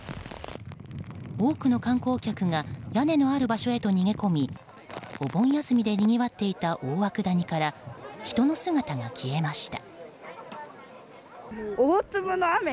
多くの観光客が屋根のある場所へと逃げ込みお盆休みでにぎわっていた大涌谷から人の姿が消えました。